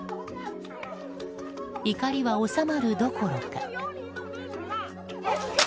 怒りは収まるどころか。